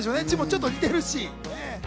字もちょっと似てるし。